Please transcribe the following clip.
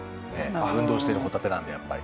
運動してるホタテなんでやっぱり。